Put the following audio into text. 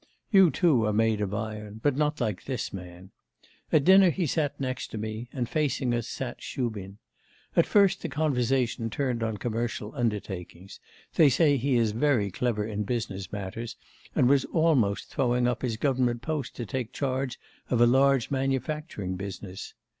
You, too, are made of iron; but not like this man. At dinner he sat next me, and facing us sat Shubin. At first the conversation turned on commercial undertakings; they say he is very clever in business matters, and was almost throwing up his government post to take charge of a large manufacturing business.